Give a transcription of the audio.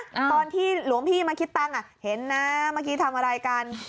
ตอนที่หลวงพี่มาคิดตังค์อ่ะเห็นนะเมื่อกี้ทำอะไรกัน